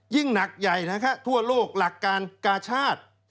ยิ่งหนักใหญ่นะฮะทั่วโลกหลักการกาชาติ